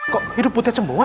kok hidup butet semua